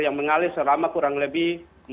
yang mengalir selama kurang lebih